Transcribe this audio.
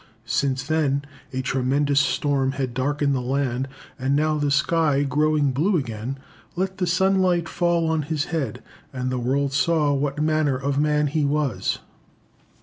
Since then a tremendous storm had darkened the land, and now the sky, growing blue again, let the sunlight fall on his head, and the world saw what manner of man he was.